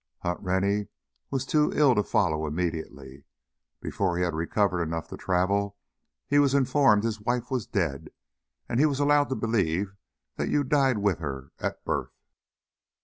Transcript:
Hunt Rennie was too ill to follow immediately. Before he had recovered enough to travel, he was informed his wife was dead, and he was allowed to believe that you died with her at birth."